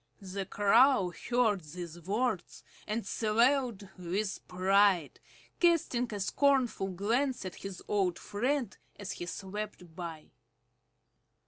The Crow heard these words and swelled with pride, casting a scornful glance at his old friend as he swept by.